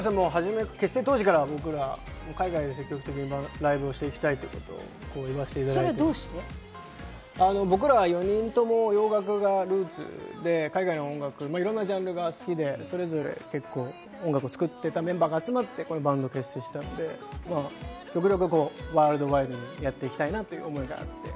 結成当時から僕ら海外で積極的にライブしていきたいと思っていて、僕ら４人とも洋楽がルーツで海外の音楽、いろんなジャンルが好きで、それぞれ結構、音楽を作っていたメンバーが集まってこういうバンドを結成したので、極力ワールドワイドにやっていきたいなという思いがあって。